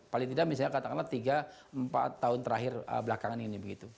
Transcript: paling tidak misalnya katakanlah tiga empat tahun terakhir belakangan ini begitu